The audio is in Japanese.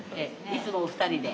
いつもお２人で。